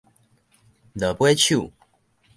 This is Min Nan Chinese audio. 落尾手